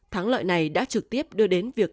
thắng loại này đã trực tiếp đưa đến việc